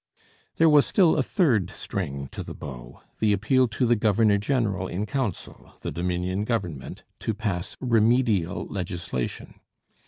There was still a third string to the bow the appeal to the governor general in council, the Dominion Government, to pass remedial legislation.